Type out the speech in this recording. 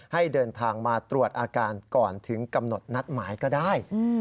ให้เดินทางมาตรวจอาการก่อนถึงกำหนดนัดหมายก็ได้